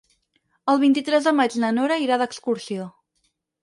El vint-i-tres de maig na Nora irà d'excursió.